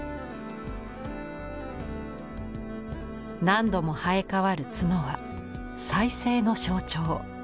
何度も生え変わる角は「再生」の象徴。